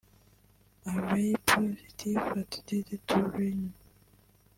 A very positive attitude to learn